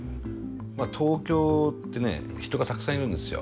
まあ東京ってね人がたくさんいるんですよ。